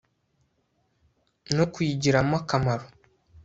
no kuyigiramo akamaro